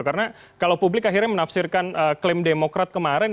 karena kalau publik akhirnya menafsirkan klaim demokrat kemarin